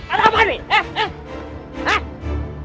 ada apa nih eh